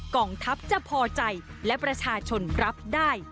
กองทัพจะพอใจและประชาชนรับได้